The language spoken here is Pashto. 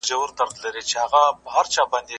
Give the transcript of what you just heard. څوک چي ازاده اروا لري دبل تر لاس لاندي کار نه کوي.